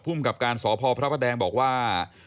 กับการสพพระประแดงบอกว่า